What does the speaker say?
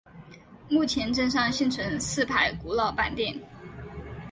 目前镇上幸存四排古老板店。